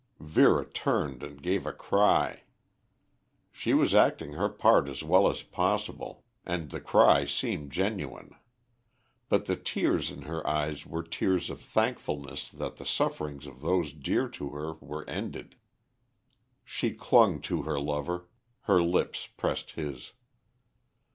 Vera turned and gave a cry. She was acting her part as well as possible, and the cry seemed genuine. But the tears in her eyes were tears of thankfulness that the sufferings of those dear to her were ended. She clung to her lover; her lips pressed his.